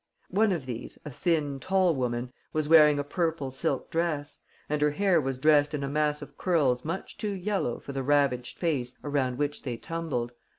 One of these, a thin, tall woman, was wearing a purple silk dress; and her hair was dressed in a mass of curls much too yellow for the ravaged face around which they tumbled.